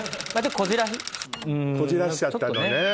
こじらせちゃったのね。